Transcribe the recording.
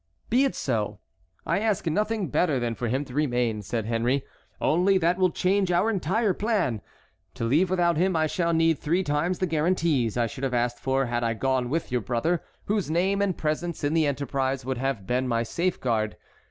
"Be it so. I ask nothing better than for him to remain," said Henry; "only that will change our entire plan. To leave without him I shall need three times the guarantees I should have asked for had I gone with your brother, whose name and presence in the enterprise would have been my safeguard.